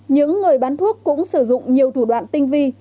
những người bán thuốc cũng sử dụng nhiều thủ đoạn tinh vi